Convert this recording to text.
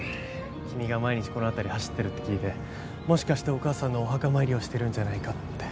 君が毎日この辺り走ってるって聞いてもしかしてお母さんのお墓参りをしてるんじゃないかって。